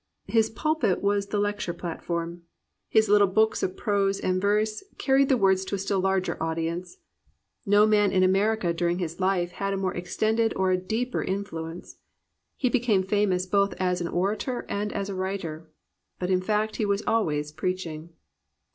His pulpit was the lecture plat form; his Httle books of prose and verse carried his 337 COMPANIONABLE BOOKS words to a still larger audience; no man in America during his life had a more extended or a deeper in fluence; he became famous both as an orator and as a writer; but in fact he was always preaching.